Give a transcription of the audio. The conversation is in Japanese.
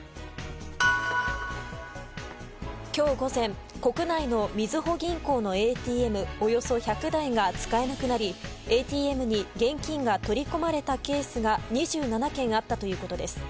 今日午前国内のみずほ銀行のＡＴＭおよそ１００台が使えなくなりＡＴＭに現金が取り込まれたケースが２７件あったということです。